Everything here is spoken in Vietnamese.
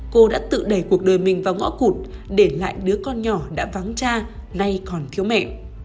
cô đã tự đẩy cuộc đời mình vào ngõ cụt để lại đứa con nhỏ đã vắng cha nay còn thiếu mẹ